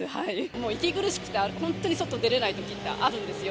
もう息苦しくて、本当、外出れないときってあるんですよ。